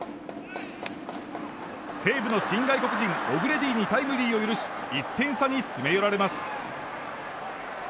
西武の新外国人オグレディにタイムリーを許し１点差に詰め寄られます。